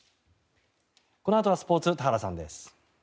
このあとはスポーツ田原さんです。